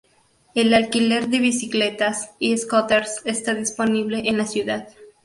El alquiler de bicicletas y scooters está disponible en la ciudad.